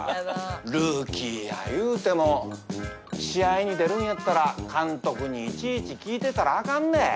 ルーキーやいうても試合に出るんやったら監督にいちいち聞いてたらあかんで。